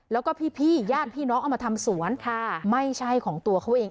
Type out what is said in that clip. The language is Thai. แล้วก็พี่ญาติพี่น้องเอามาทำสวนไม่ใช่ของตัวเขาเอง